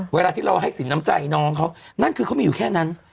เวลาที่เราให้สินน้ำใจน้องเขานั่นคือเขามีอยู่แค่นั้น